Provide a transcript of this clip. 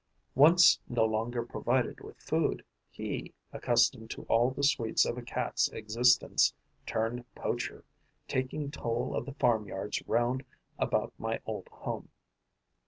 Once no longer provided with food, he, accustomed to all the sweets of a Cat's existence, turned poacher, taking toll of the farm yards round about my old home.